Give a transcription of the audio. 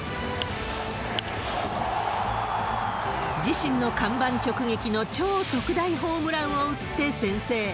自身の看板直撃の超特大ホームランを打って先制。